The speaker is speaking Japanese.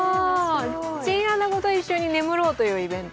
チンアナゴと一緒に眠ろうというイベント。